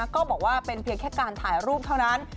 ก็บอกว่าเป็นเพียงแค่การถ่ายรูปเท่านั้น